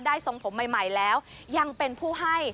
ทรงผมใหม่แล้วยังเป็นผู้ให้